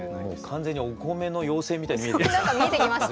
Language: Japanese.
完全にお米の妖精みたいに見えてきた。